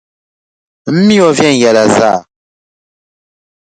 M mi o viɛnyɛla zaa.